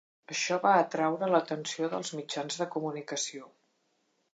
Això va atreure l'atenció dels mitjans de comunicació.